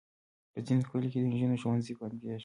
په ځینو کلیو کې د انجونو ښوونځي بندېږي.